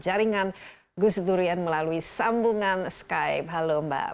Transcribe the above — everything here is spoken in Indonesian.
terang juga bersyarat membiarkannya kalau gitu masyarakat itu masuk ke dalam sumber ke satu ratus enam puluh